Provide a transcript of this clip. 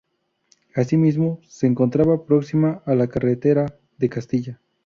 Así mismo se encontraba próxima a la carretera de Castilla.